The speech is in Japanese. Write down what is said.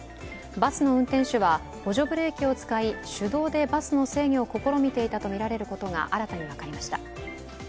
バスの運転手は補助ブレーキを使い手動でバスの制御を試みたとみられることが新たに分かりました。